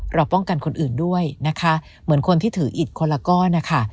เราป้องกันคนอื่นด้วยนะคะเหมือนคนที่ถืออิดคนละก้อนนะคะ